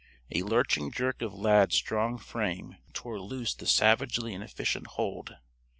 A lurching jerk of Lad's strong frame tore loose the savagely inefficient hold.